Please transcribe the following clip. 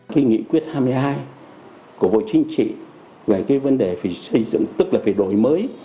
cái nghị quyết hai mươi hai của bộ chính trị về cái vấn đề phải xây dựng tức là phải đổi mới